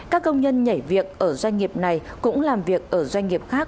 các công nhân nhảy việc ở doanh nghiệp này cũng làm việc ở doanh nghiệp khác